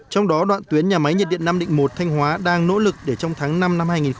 trong đó đoạn tuyến nhà máy nhiệt điện năm định một thanh hóa đang nỗ lực để trong tháng năm năm hai nghìn hai mươi